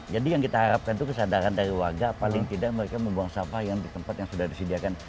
jadi yang kita harapkan itu kesadaran dari warga paling tidak mereka membuang sampah yang di tempat yang sudah disediakan